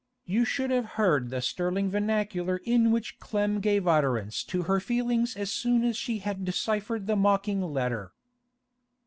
You should have heard the sterling vernacular in which Clem gave utterance to her feelings as soon as she had deciphered the mocking letter?